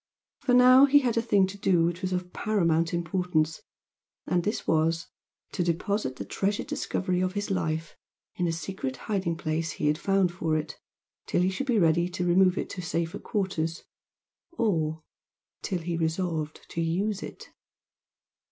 For now he had a thing to do which was of paramount importance, and this was, to deposit the treasured discovery of his life in a secret hiding place he had found for it, till he should be ready to remove it to safer quarters or TILL HE RESOLVED TO USE IT.